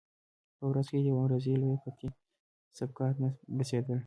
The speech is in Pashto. په ورځ کې یوه انګریزي لویه قطي سیګار نه بسېدل.